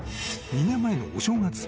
２年前のお正月